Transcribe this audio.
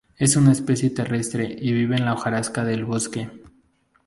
Es una especie terrestre y vive en la hojarasca del bosque.